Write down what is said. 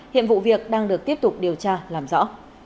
hiện vụ việc đang được tiếp tục điều tra làm rõ